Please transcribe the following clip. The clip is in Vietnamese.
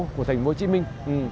ngoài ô của thành phố hồ chí minh